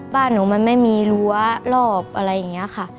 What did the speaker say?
บ้านหนูมันไม่มีรั้วรอบอะไรอย่างนี้ค่ะ